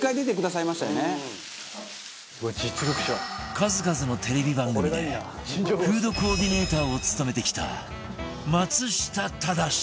数々のテレビ番組でフードコーディネーターを務めてきた松下忠司